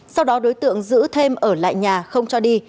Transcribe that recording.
sau đó đối tượng giữ thêm ở lại nhà không cho đi